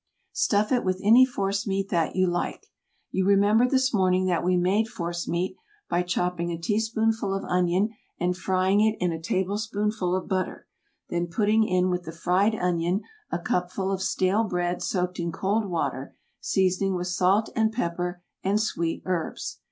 Stuff it with any force meat that you like. You remember this morning that we made force meat by chopping a teaspoonful of onion and frying it in a tablespoonful of butter, then putting in with the fried onion a cupful of stale bread soaked in cold water, seasoning with salt and pepper and sweet herbs.